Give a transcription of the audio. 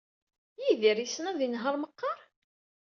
Yidir yessen ad yenheṛ meqqar?